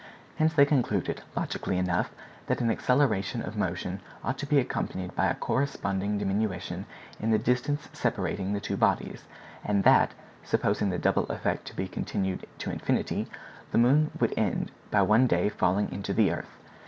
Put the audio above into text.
Hence they concluded, logically enough, that an acceleration of motion ought to be accompanied by a corresponding diminution in the distance separating the two bodies; and that, supposing the double effect to be continued to infinity, the moon would end by one day falling into the earth.